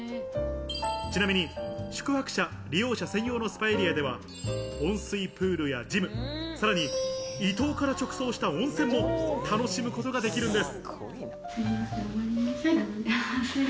ちなみに宿泊者・利用者専用のスパエリアでは温水プールやジム、さらに伊東から直送した温泉も楽しむことができるんです。